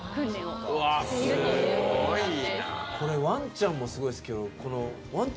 これワンちゃんもすごいですけど。